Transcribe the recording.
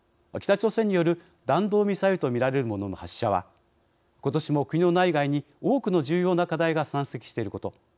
北朝鮮による弾道ミサイルとみられるものの発射はことしも国の内外に多くの重要な課題が山積していること。